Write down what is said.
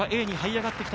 なんとかＡにはい上がってきた。